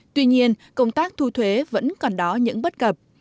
tuy nhiên công tác thu thuế vẫn còn đó những bất cập